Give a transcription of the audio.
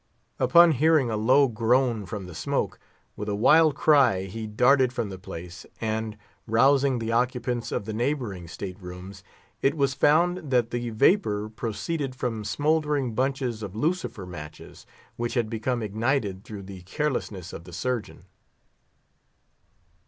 Upon hearing a low groan from the smoke, with a wild cry he darted from the place, and, rousing the occupants of the neighbouring state rooms, it was found that the vapour proceeded from smouldering bunches of lucifer matches, which had become ignited through the carelessness of the Surgeon.